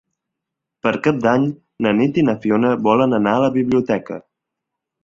Per Cap d'Any na Nit i na Fiona volen anar a la biblioteca.